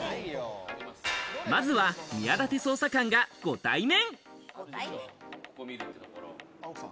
まずは宮舘捜査官がご対面。